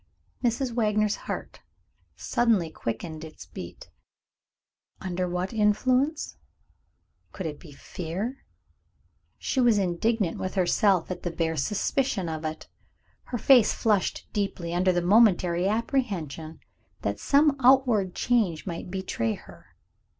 Mrs. Wagner's heart suddenly quickened its beat. Under what influence? Could it be fear? She was indignant with herself at the bare suspicion of it. Her face flushed deeply, under the momentary apprehension that some outward change might betray her.